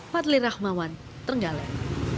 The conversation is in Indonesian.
patli rahmawan tenggalen